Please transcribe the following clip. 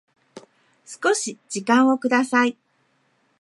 少し時間をください